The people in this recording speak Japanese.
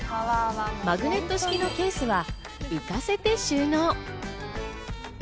マグネット式のケースは浮かせて収納。